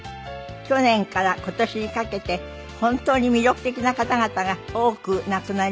去年から今年にかけて本当に魅力的な方々が多く亡くなりました。